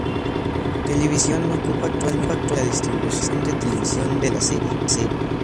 Television ocupa actualmente la distribución de televisión de la serie.